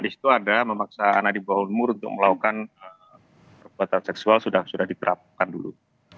di situ ada memaksa anak di bawah umur untuk melakukan perbuatan seksual sudah diterapkan dulu